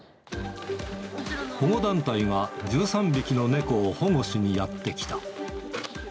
保護団体が１３匹の猫を保護しにやって来た。